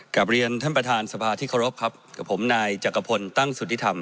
กลับเรียนท่านประธานสภาที่เคารพครับกับผมนายจักรพลตั้งสุทธิธรรม